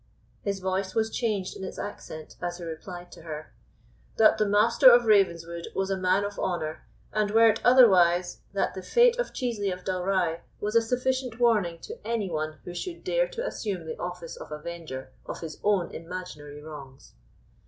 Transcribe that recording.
His voice was changed in its accent as he replied to her, "That the Master of Ravenswood was a man of honour; and, were it otherwise, that the fate of Chiesley of Dalry was a sufficient warning to any one who should dare to assume the office of avenger of his own imaginary wrongs."